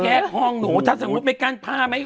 ห้องหนูถ้าสมมุติไม่กั้นผ้าไม่